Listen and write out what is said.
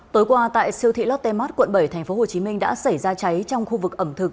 tối qua tại siêu thị lotte mart quận bảy tp hcm đã xảy ra cháy trong khu vực ẩm thực